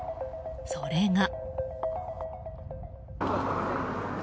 それが。